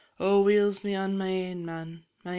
Oh, weel's me on my ain man, &c.